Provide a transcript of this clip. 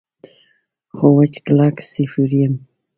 خو وچ کلک سیفور یم.